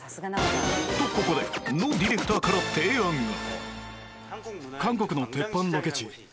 とここでノディレクターから提案が